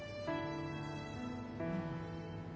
うん。